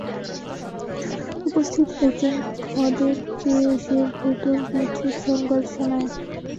উপস্থিত একজন খদেরকে সে ভূতোর মৃত্যুসংবাদ শোনায়।